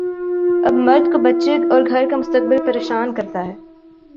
اب مرد کو بچے اور گھر کا مستقبل پریشان کرتا ہے۔